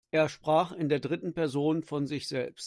Er sprach in der dritten Person von sich selbst.